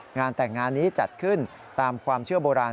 งานแต่งงานนี้จัดขึ้นตามความเชื่อโบราณ